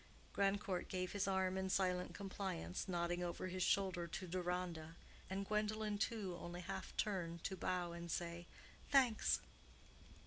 Grandcourt gave his arm in silent compliance, nodding over his shoulder to Deronda, and Gwendolen too only half turned to bow and say, "Thanks."